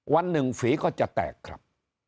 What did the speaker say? วันหนึ่งฝีก็จะแตกครับ